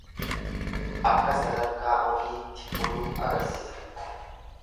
Akka sadarkaa ofiitti buluu agarsisa.